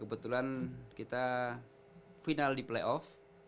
kebetulan kita final di playoff